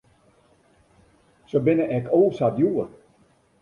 Se binne ek o sa djoer.